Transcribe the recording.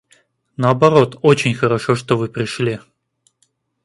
Наоборот, очень хорошо, что вы пришли.